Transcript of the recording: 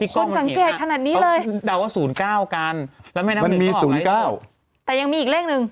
พี่กล้องมันเห็นฮะเขาดัวว่าศูนย์เก้ากันแล้วแม่น้ำหนึ่งเขาออกมาให้ศูนย์